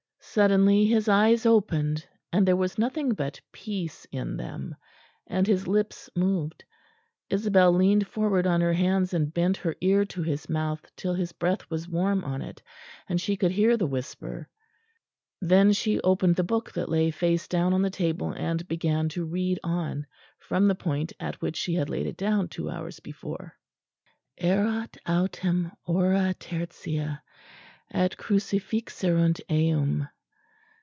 Suddenly his eyes opened and there was nothing but peace in them; and his lips moved. Isabel leaned forward on her hands and bent her ear to his mouth till his breath was warm on it, and she could hear the whisper.... Then she opened the book that lay face down on the table and began to read on, from the point at which she had laid it down two hours before. "'_Erat autem hora tertia: et crucifixerunt eum.